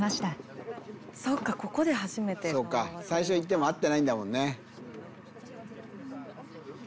そうか最初行っても会ってないんだもんね。